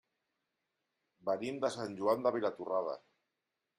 Venim de Sant Joan de Vilatorrada.